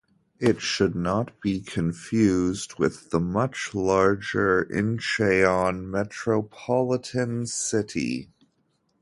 It should not be confused with the much larger Incheon Metropolitan City.